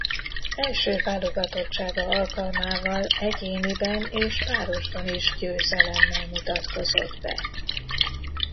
Első válogatottsága alkalmával egyéniben és párosban is győzelemmel mutatkozott be.